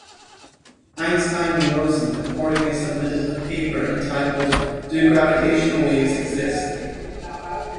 Einstein and Rosen accordingly submitted a paper entitled Do gravitational waves exist?